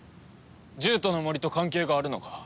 獣人の森と関係があるのか？